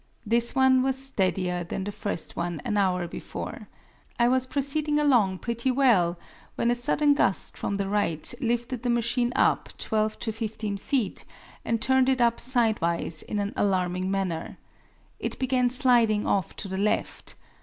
This one was steadier than the first one an hour before. I was proceeding along pretty well when a sudden gust from the right lifted the machine up twelve to fifteen feet and turned it up sidewise in an alarming manner. It began sliding off to the left.